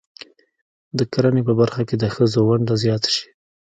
د کرنې په برخه کې د ښځو ونډه زیاته شي.